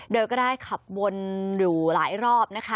โดยก็ได้ขับวนอยู่หลายรอบนะคะ